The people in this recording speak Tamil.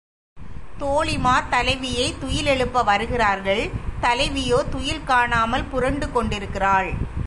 தோழிமார் தலைவியைத் துயில் எழுப்ப வருகிறார்கள் தலைவியோ துயில் காணாமல் புரண்டு கொண்டிருக்கின்றாள்.